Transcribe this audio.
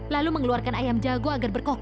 lalu mengeluarkan ayam jago agar berkokoh